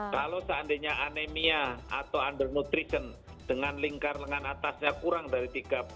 kalau seandainya anemia atau under nutrition dengan lingkar lengan atasnya kurang dari dua puluh tiga lima